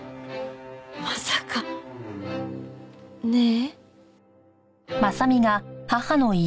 まさかね？